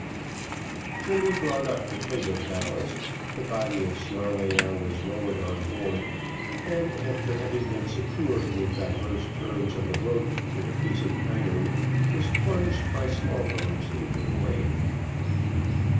Jemmy brought up the pig of ballast, the body of Snarleyyow was lowered on board, and, after having been secured with divers turns of the rope to the piece of iron, was plunged by Smallbones into the wave.